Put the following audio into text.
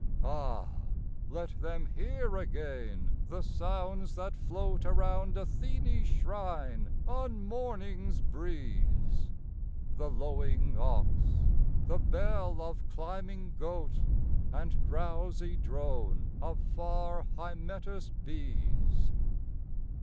Ah! let them hear again the sounds that float Around Athene's shrine on morning's breeze, The lowing ox, the bell of climbing goat And drowsy drone of far Hymettus' bees.